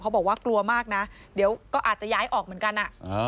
บอกว่ากลัวมากนะเดี๋ยวก็อาจจะย้ายออกเหมือนกัน